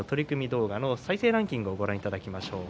動画の再生ランキングをご覧いただきましょう。